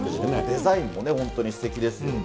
デザインも本当にすてきですよね。